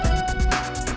om jin dan jun